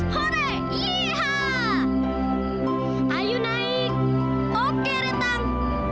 hore aku terbang kayak superman